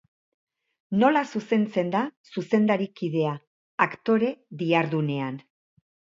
Nola zuzentzen da zuzendarikidea, aktore diharduenean?